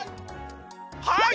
はい！